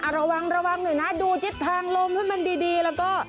ระวังระวังหน่อยนะดูทิศทางลมให้มันดีแล้วก็